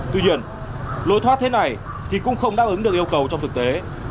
tuy nhiên lối thoát thế này thì cũng không đáp ứng được yêu cầu trong thực tế